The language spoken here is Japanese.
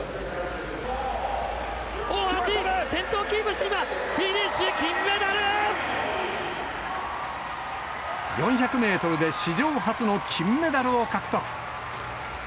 大橋、先頭をキープして今、フィニッシュ、金メダル！４００メートルで史上初の金メダルを獲得。